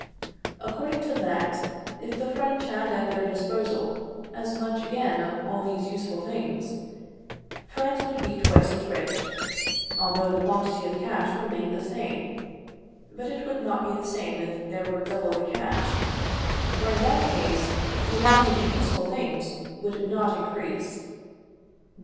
According to that, if the French had at their disposal as much again of all these useful things, France would be twice as rich, although the quantity of cash remained the same; but it would not be the same if there were double the cash, for in that case the amount of useful things would not increase.